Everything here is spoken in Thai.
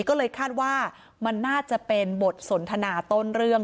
ก็เลยคาดว่ามันน่าจะเป็นบทสนทนาต้นเรื่อง